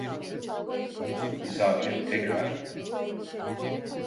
Misafir tekrar: